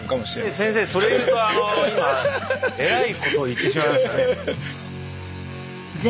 先生それ言うとあの今えらいことを言ってしまいましたね。